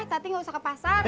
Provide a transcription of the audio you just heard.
tati gak usah ke pasar